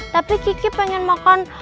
tapi gigi pengen makan